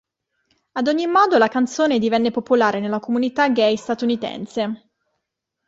Ad ogni modo la canzone divenne popolare nella comunità gay statunitense.